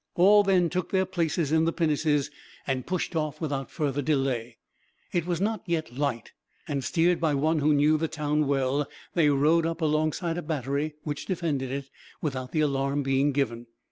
All then took their places in the pinnaces, and pushed off without further delay. It was not yet light, and steered by one who knew the town well, they rowed up alongside a battery, which defended it, without the alarm being given.